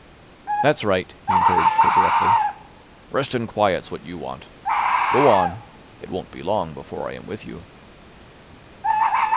"That's right," he encouraged her gruffly. "Rest and quiet's what you want. Go on. It won't be long before I am with you."